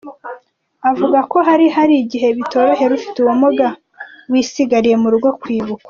Avuga ko hari hari igihe bitorohera ufite ubumuga wisigariye mu rugo kwibukwa.